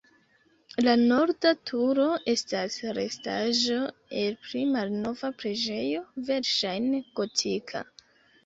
La norda turo estas restaĵo el pli malnova preĝejo, verŝajne gotika.